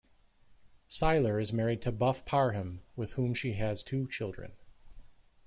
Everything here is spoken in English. Syler is married to Buff Parham, with whom she has two children.